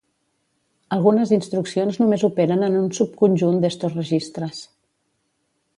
Algunes instruccions només operen en un subconjunt d'estos registres.